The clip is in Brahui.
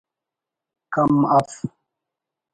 کم اف